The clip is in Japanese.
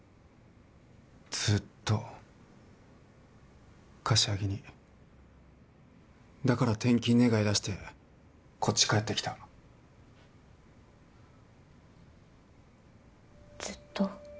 ずっと柏木にだから転勤願い出してこっち帰ってきたずっと？